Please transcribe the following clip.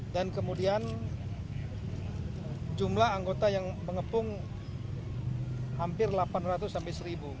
dan kemudian jumlah anggota yang pengepung hampir delapan ratus sampai seribu